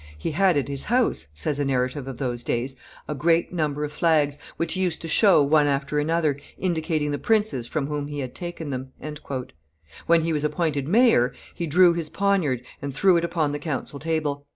"He had at his house," says a narrative of those days, "a great number of flags, which he used to show one after another, indicating the princes from whom he had taken them." When he was appointed mayor, he drew his poniard and threw it upon the council table.